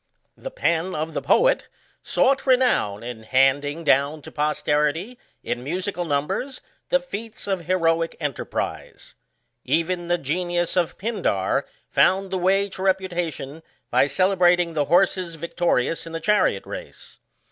The pen of the poet sought renown in handing down to posterity, in musical numbers, the feats of heroic enterprise. Even the genius of Pindar found the way to reputation by celebrating the horses vic torious in the chariot race.